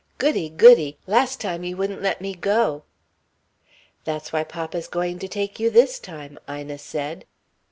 "Goody! goody! Last time you wouldn't let me go." "That's why papa's going to take you this time," Ina said.